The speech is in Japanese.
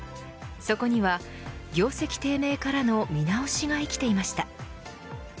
そこには業績低迷からの見直しが生きていました。